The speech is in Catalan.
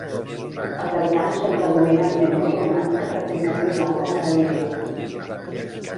Els habitants són predominantment musulmans que practiquen l'islam com a religió.